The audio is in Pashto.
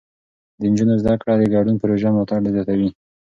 د نجونو زده کړه د ګډو پروژو ملاتړ زياتوي.